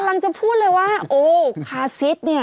จะพูดเลยว่าโอ้คาซิสเนี่ย